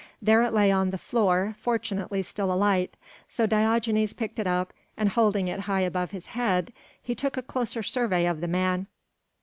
There it lay on the floor, fortunately still alight, so Diogenes picked it up and holding it high above his head he took a closer survey of the man.